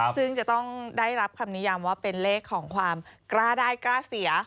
ซึ่งจะต้องได้รับคำนิยามว่าเป็นเลขของความกล้าได้กล้าเสีย